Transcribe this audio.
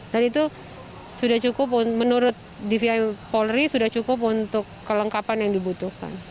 dan itu sudah cukup menurut dvi polri sudah cukup untuk kelengkapan yang dibutuhkan